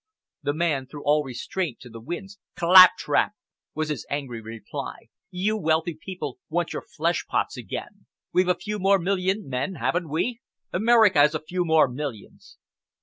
The man threw all restraint to the winds. "Claptrap!" was his angry reply. "You wealthy people want your fleshpots again. We've a few more million men, haven't we? America has a few more millions?"